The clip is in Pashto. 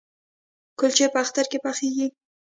کلچې په اختر کې پخیږي؟